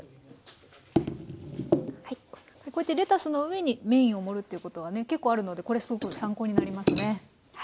こうやってレタスの上にメインを盛るっていうことはね結構あるのでこれすごく参考になりますね。